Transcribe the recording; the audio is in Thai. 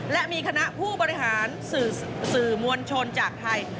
และมีคณะผู้บริหารสื่อมวลชนจากไทย